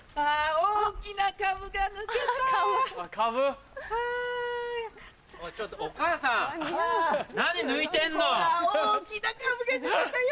大きなカブが抜けたよ